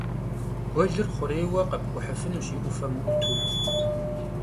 Guelır xhurêyue khepk'uhıfınuş, yi 'Ufem vu'utu.